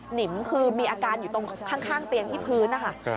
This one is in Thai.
นิมคือมีอาการอยู่ตรงข้างเตียงที่พื้นนะคะ